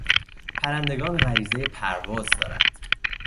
پرندگان غریزهی پرواز دارند.